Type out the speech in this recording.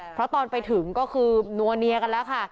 เพราะตอนไปถึงก็คือนัวเนียกันแล้วค่ะ